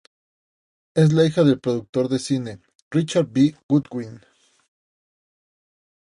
Es la hija del productor de cine, "Richard B. Goodwin".